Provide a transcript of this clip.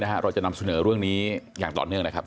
เราจะนำเสนอเรื่องนี้อย่างต่อเนื่องนะครับ